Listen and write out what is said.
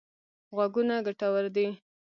غوږونه ګټور دي.